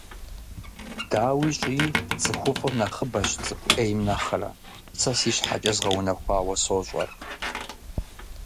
Дауи щӏыи, цӏыхуфӏыр нэхъыбэщ цӏыху ӏейм нэхъырэ, сэ си щхьэкӏэ згъэунэхуауэ сощӏэр.